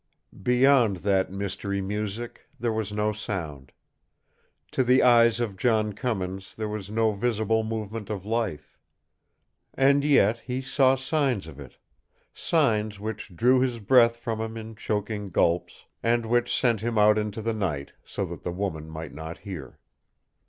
Beyond that mystery music there was no sound. To the eyes of John Cummins there was no visible movement of life. And yet he saw signs of it signs which drew his breath from him in choking gulps, and which sent him out into the night, so that the woman might not hear.